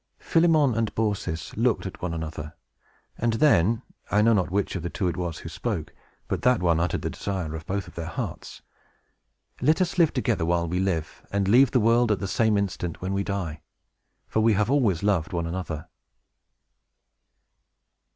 Philemon and Baucis looked at one another, and then, I know not which of the two it was who spoke, but that one uttered the desire of both their hearts. "Let us live together, while we live, and leave the world at the same instant, when we die! For we have always loved one another!"